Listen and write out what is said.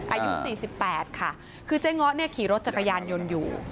อายุ๔๘ค่ะคือเจ๊ง้อเนี่ยขี่รถจักรยานยนต์อยู่